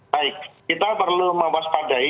baik kita perlu mewaspadai